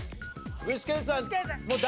具志堅さん誰？